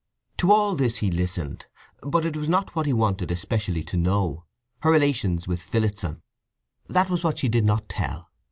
To all this he listened; but it was not what he wanted especially to know—her relations with Phillotson. That was what she did not tell.